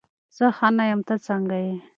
زه ښه نه یمه، ته څنګه یې؟